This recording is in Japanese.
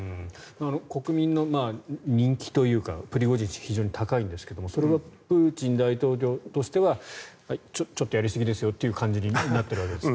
国民の人気というかプリゴジン氏、非常に高いですがそれはプーチン大統領としてはちょっとやりすぎですよという感じになっているんですか？